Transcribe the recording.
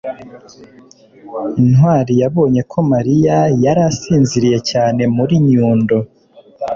ntwali yabonye ko mariya yari asinziriye cyane muri nyundo